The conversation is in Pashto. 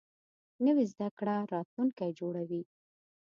نوې زده کړه راتلونکی جوړوي